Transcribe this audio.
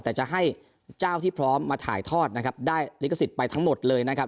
แต่จะให้เจ้าที่พร้อมมาถ่ายทอดนะครับได้ลิขสิทธิ์ไปทั้งหมดเลยนะครับ